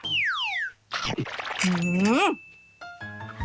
อือหือ